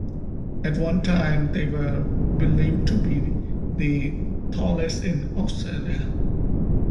At one time they were believed to be the tallest in Australia.